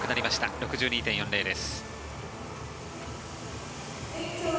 ６２．４０です。